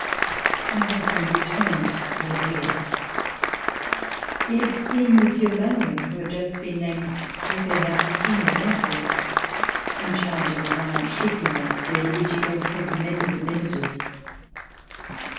My husband returned to Le Bouilh. He had seen Monsieur Malouet who had just been named Prcfet Maritime at Antwerp, in charge of the large ship yards there to which he gave so tremendous an impetus.